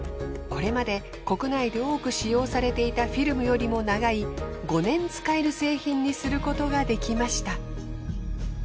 これまで国内で多く使用されていたフィルムよりも長い５年使える製品にすることが出来ました。